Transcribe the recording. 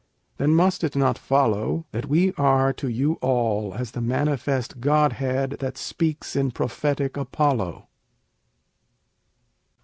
Then must it not follow That we are to you all as the manifest godhead that speaks in prophetic Apollo?